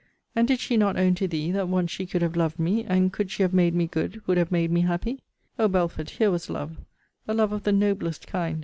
* And did she not own to thee, that once she could have loved me; and, could she have made me good, would have made me happy? O, Belford! here was love; a love of the noblest kind!